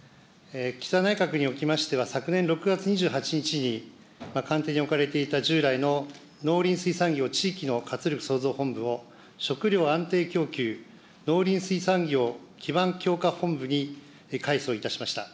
岸田内閣におきましては、昨年６月２８日に、官邸に置かれていた従来の農林水産業地域の活力そうぞう本部を、食料安定供給農林水産業基盤強化本部に改組いたしました。